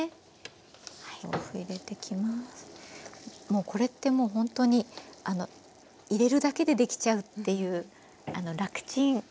もうこれってもうほんとに入れるだけで出来ちゃうっていうラクちん